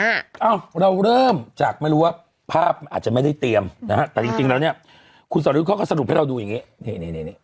อ้าวเราร่วมจากไม่รู้ว่าภาพอาจจะไม่ได้เตรียมนะครับจริงแล้วเนี่ยคุณสอดุเขาก็สรุปให้เราดูอย่างนี้